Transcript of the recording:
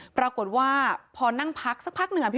ปรากฏว่าพอนั่งพักสักพักหนึ่งพี่